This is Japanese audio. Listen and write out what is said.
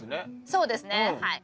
そうですねはい。